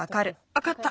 わかった。